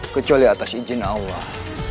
kecuali atas izin allah